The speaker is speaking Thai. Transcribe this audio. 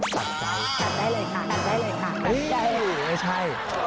ตัดได้ตัดได้เลยค่ะตัดได้เลยค่ะตัดได้เลยค่ะตัดได้เลยค่ะตัดได้เลยค่ะตัดได้เลยค่ะ